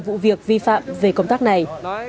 một mươi vụ việc vi phạm về công tác này